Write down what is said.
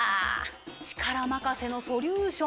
力任せのソリューション！